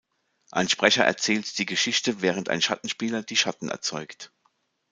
Ein Sprecher erzählt die Geschichte, während ein Schattenspieler die Schatten erzeugt.